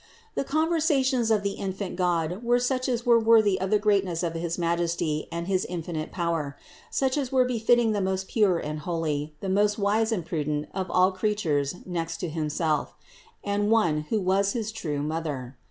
The conversations of the in fant God were such as were worthy of the greatness of his majesty and his infinite power; such as were befitting the most pure and holy, the most wise and prudent of all creatures next to Himself, and One who was his true Mother.